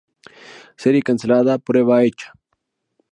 Serie cancelada, prueba hecha...